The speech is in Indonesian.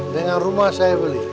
dengan rumah saya beli